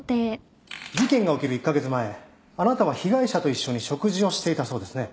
事件が起きる１カ月前あなたは被害者と一緒に食事をしていたそうですね。